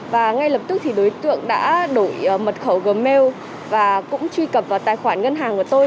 và ngay lập tức thì đối tượng đã đổi mật khẩu gmail và cũng truy cập vào tài khoản ngân hàng của tôi